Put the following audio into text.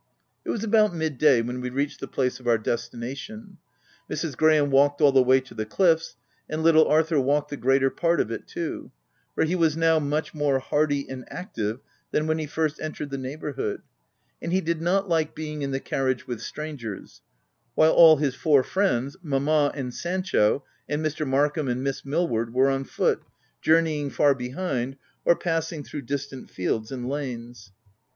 It was about mid day, when we reached the place of our destination. Mrs. Graham walked G 2 124 THE TENANT all the way to the cliffs ; and little Arthur walked the greater part of it too ; for he was now much more hardy and active, than when he first entered the neighbourhood, and he did not like being in the carriage with strangers, while all his four friends, Mamma, and Sancho, and Mr. Markham, and Miss Millward, were on foot, journeying far behind, or passing through distant fields and lanes.